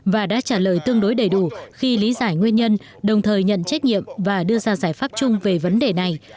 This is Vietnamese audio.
và đã trả lời tương đối đầy đủ khi lý giải nguyên nhân đồng thời nhận trách nhiệm và đưa ra giải pháp chung về vấn đề này